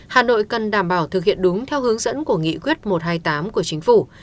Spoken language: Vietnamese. hà nội cần đảm bảo thực hiện đúng theo hướng dẫn của nghị quyết một trăm hai mươi tám của chính phủ